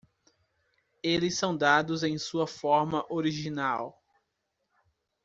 Eles são dados em sua forma original.